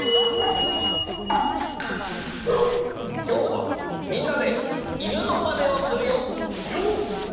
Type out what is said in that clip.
きょうはみんなで犬のまねをするよ。